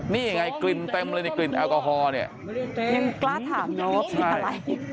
นี่ไงกลิ่นเต็มเลยในกลิ่นแอลกอฮอลเนี่ยยังกล้าถามน้องว่าเป็นอะไร